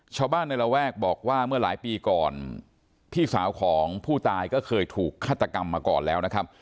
ชาวบ้านในระแวกบอกว่าเมื่อหลายปีก่อนพี่สาวของผู้ตายก็เคยถูกฆาตกรรมมาก่อนแล้วนะครับ